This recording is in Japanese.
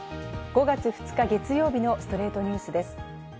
５月２日、月曜日の『ストレイトニュース』です。